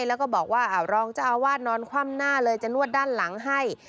แล้วก็บอกว่ารองเจ้าอาวาสนอนคว่ำหน้าเลยจะนวดด้านหลังให้